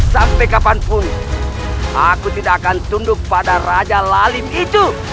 sampai kapanpun aku tidak akan tunduk pada raja lalim itu